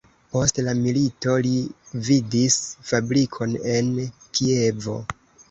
Post la milito li gvidis fabrikon en Kievo.